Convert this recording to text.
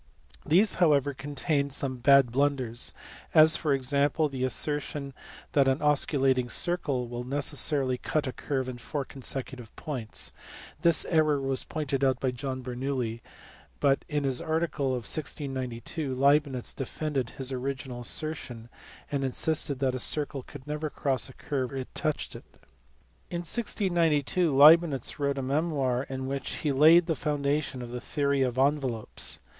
These however contain some bad blunders ; as, for example, the assertion that an osculating circle will necessarily cut a curve in four consecutive points : this error was pointed out by John Bernoulli, but in his article of 1692 Leibnitz defended his original assertion, and insisted that a circle could never cross a curve where it touched it. In 1692 Leibnitz wrote a memoir in which he laid the foundation of the theory of envelopes.